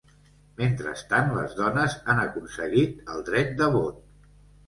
Mentrestant, les dones han aconseguit el dret de vot.